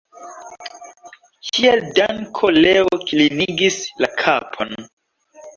Kiel danko Leo klinigis la kapon.